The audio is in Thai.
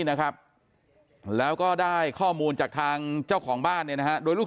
นะครับแล้วก็ได้ข้อมูลจากทางเจ้าของบ้านเนี่ยนะฮะโดยลูก